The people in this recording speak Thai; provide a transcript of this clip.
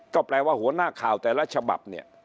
ก็แปลว่าหัวหน้าข่าวแต่รัฐชบัพ